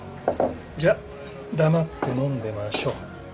じゃあ黙って飲んでましょう。